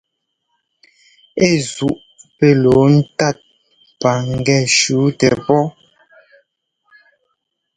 Ɛ zuʼu pɛ́ lɔɔ ńtat paŋgɛ́ shǔtɛ pɔ́.